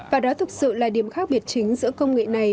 và đó thực sự là điểm khác biệt chính giữa công nghệ này